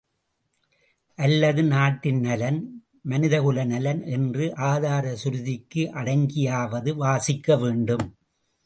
அல்லது நாட்டின் நலன், மனிதகுல நலன் என்ற ஆதார சுருதிக்கு அடங்கியாவது வாசிக்கவேண்டும்.